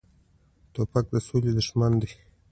توپک د سولې دښمن دی.